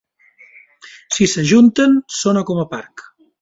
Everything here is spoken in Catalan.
Si s'ajunten, sona com a parc.